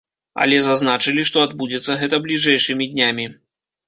Але зазначылі, што адбудзецца гэта бліжэйшымі днямі.